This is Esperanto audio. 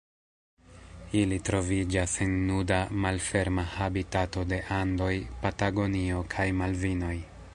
Ili troviĝas en nuda, malferma habitato de Andoj, Patagonio kaj Malvinoj.